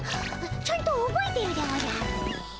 ちゃんとおぼえているでおじゃる。